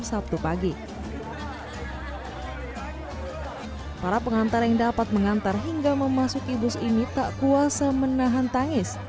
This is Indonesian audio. sabtu pagi para pengantar yang dapat mengantar hingga memasuki bus ini tak kuasa menahan tangis